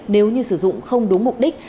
nếu như sử dụng không đúng mục đích